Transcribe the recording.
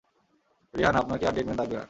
রেহান আপনাকে আর dead man ডাকবে না।